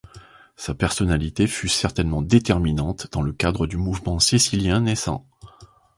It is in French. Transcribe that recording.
Sa personnalité fut certainement déterminante dans le cadre du Mouvement cécilien naissant.